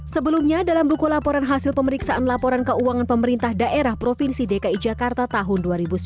sebelumnya dalam buku laporan hasil pemeriksaan laporan keuangan pemerintah daerah provinsi dki jakarta tahun dua ribu sembilan belas